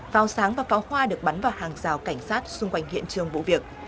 pháo sáng và pháo hoa được bắn vào hàng rào cảnh sát xung quanh hiện trường vụ việc